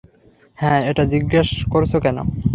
হ্যাঁ, এটা জিজ্ঞাস করছ কেন?